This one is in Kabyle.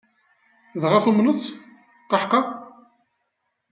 Dɣa tumenent-tt? Qaḥqa!